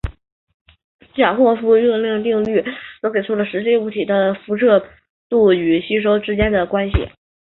基尔霍夫热辐射定律则给出了实际物体的辐射出射度与吸收比之间的关系。